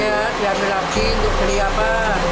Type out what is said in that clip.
iya diambil lagi untuk beli apa